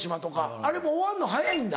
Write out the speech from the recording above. あれも終わるの早いんだ？